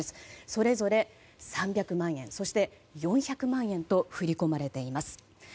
それぞれ３００万円そして４００万円と振り込まれています。